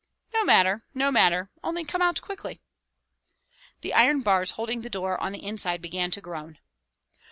"No matter, no matter, only come out quickly." The iron bars holding the door on the inside began to groan.